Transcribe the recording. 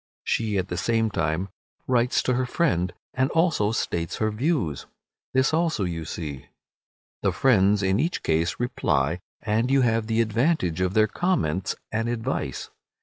She at the same time writes to her friend, and also states her views. This also you see. The friends in each case reply, and you have the advantage of their comments and advice.